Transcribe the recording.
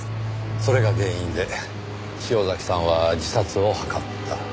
それが原因で潮崎さんは自殺を図った。